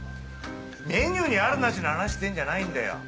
メニューに有る無しの話してんじゃないんだよ！